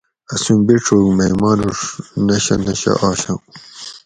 اسوں بیڛوگ مئ مانوڛ نشہ نشہ آشاں